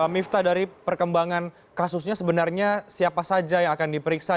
mifta dari perkembangan kasusnya sebenarnya siapa saja yang akan diperiksa